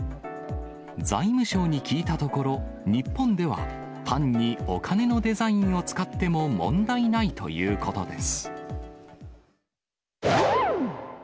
財務省に聞いたところ、日本ではパンにお金のデザインを使っても問題ないということです。